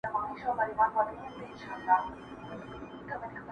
چي ته مزاج د سپيني آیینې لرې که نه,